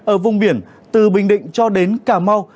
ở vùng biển từ bình định cho đến cà mau